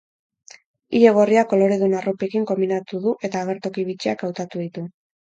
Ile gorria koloredun arropekin konbinatu du eta agertoki bitxiak hautatu ditu.